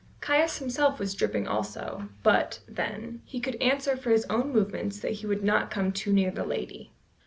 Caius himself was dripping also, but, then, he could answer for his own movements that he would not come too near the lady.